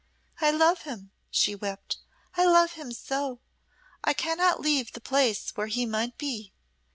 "I love him," she wept "I love him so I cannot leave the place where he might be.